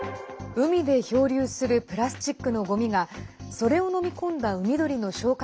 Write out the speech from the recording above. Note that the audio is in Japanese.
海で漂流するプラスチックのごみがそれを飲み込んだ海鳥の消化